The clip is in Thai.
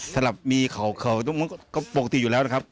สำหรับมีเขาก็ปกติอยู่แล้วนะครับ